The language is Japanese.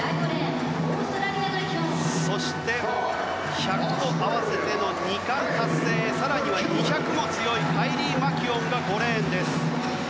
そして、１００と合わせての２冠達成更には２００ｍも強いカイリー・マキュオンが５レーンです。